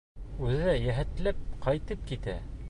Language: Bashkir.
Үҙе йәһәтләп ҡайтып китә.